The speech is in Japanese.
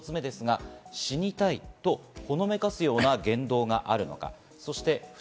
まず一つ目、死にたいとほのめかすような言動があるか。